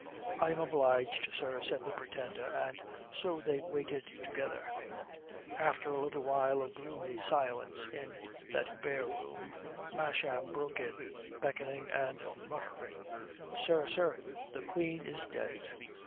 "I am obliged, sir," said the Pretender, and so they waited together.... After a little while of gloomy silence in that bare room, Masham broke in, beckoning and muttering: "Sir, sir, the Queen is dead."